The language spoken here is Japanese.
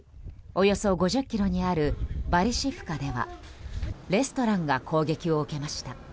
およそ５０ｋｍにあるバリシフカではレストランが攻撃を受けました。